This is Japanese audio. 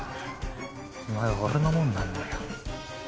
お前は俺のもんなんだよ。